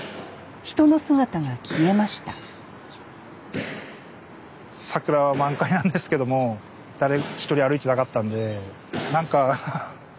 人の姿が消えました桜は満開なんですけども誰一人歩いてなかったんで何か悲しい感じ